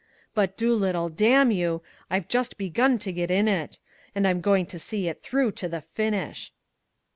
"But, Doolittle, damn you, I've just begun to get in it! And I'm going to see it through to the finish!"